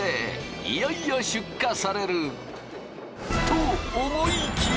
いよいよ出荷されると思いきや！